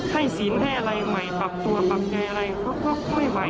ศีลให้อะไรใหม่ปรับตัวปรับใจอะไรเขาก็ไม่ไหว